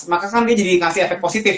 maka sekarang dia jadi ngasih efek positif